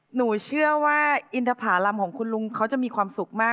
หนูเชื่อว่าอินทภารำของคุณลุงเขาจะมีความสุขมาก